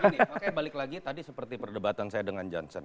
makanya balik lagi tadi seperti perdebatan saya dengan johnson